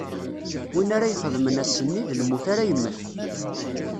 Win ara ixedmen ass-nni, d lmut ara yemmet.